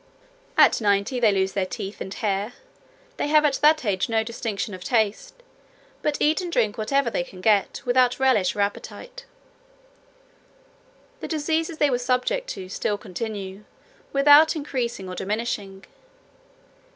"At ninety, they lose their teeth and hair; they have at that age no distinction of taste, but eat and drink whatever they can get, without relish or appetite. The diseases they were subject to still continue, without increasing or diminishing.